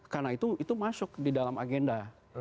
karena itu masuk di dalam agenda